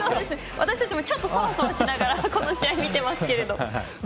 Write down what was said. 私たちもそわそわしながらこの試合、見ていますけど。